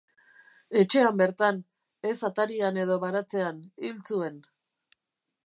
Etxean bertan —ez atarian edo baratzean— hil zuen.